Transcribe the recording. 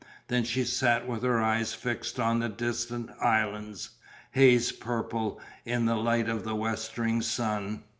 Then she sat with her eyes fixed on the distant islands, haze purple in the light of the westering sun.